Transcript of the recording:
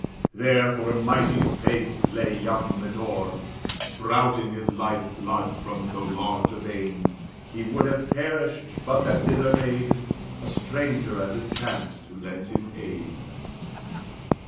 There for a mighty space lay young Medore, Spouting his life blood from so large a vein He would have perished, but that thither made A stranger, as it chanced, who lent him aid.